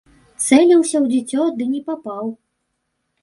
Цэліўся ў дзіцё, ды не папаў.